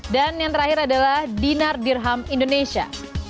yang terakhir adalah dinar dirham indonesia